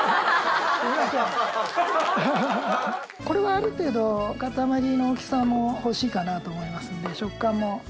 これはある程度塊の大きさも欲しいかなと思いますので食感も。